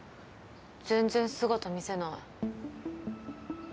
全然姿見せない。